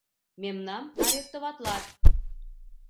Мемнам арестоватлат!..